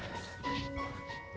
malu sama siapa